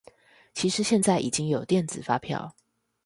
其實現在已經有電子發票